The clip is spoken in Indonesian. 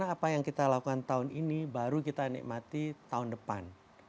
karena apa yang kita lakukan tahun ini baru kita nikmati tahun depan